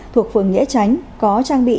thuộc phường nghĩa tránh có trang bị